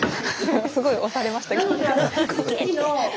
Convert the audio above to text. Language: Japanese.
すごい押されましたけど。